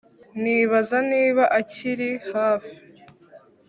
nibaza niba akiri hafi